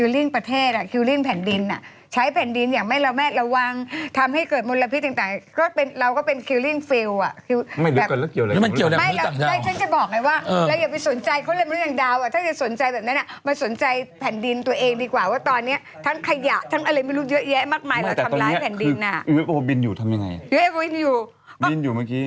เดี๋ยวอันนี้วางเดี๋ยวเอาไปเก็บกันไปกินที่บ้านไม่อยากให้ใคร